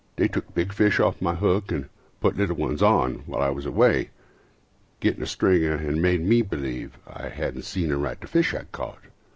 They took big fish off my hook And put little ones on, while I was away Getting a stringer, and made me believe I hadn't seen aright the fish I had caught.